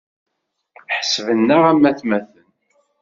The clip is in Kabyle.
Ḥesben-aɣ am ayt uxxam.